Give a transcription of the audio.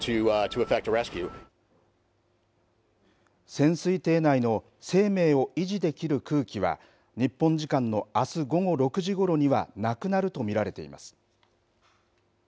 潜水艇内の生命を維持できる空気は、日本時間のあす午後６時ごろにはなくなると見られています。